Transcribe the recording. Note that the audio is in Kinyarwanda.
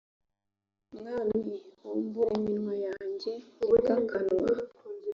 mwami bumbura iminwa yanjye ni bwo akanwa